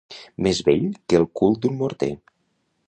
Més vell que el cul d'un morter.